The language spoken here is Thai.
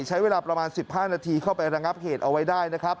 ใช้เวลาประมาณ๑๕นาทีเข้าไประงับเหตุเอาไว้ได้นะครับ